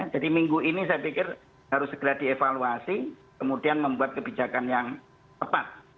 jadi minggu ini saya pikir harus segera dievaluasi kemudian membuat kebijakan yang tepat